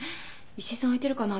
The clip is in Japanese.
石井さん空いてるかな？